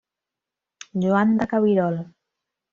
Joan de Cabirol.